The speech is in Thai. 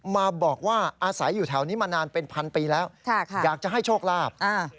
มาบอกว่าอาศัยอยู่แถวนี้มานานเป็นพันปีแล้วอยากจะให้โชคลาภ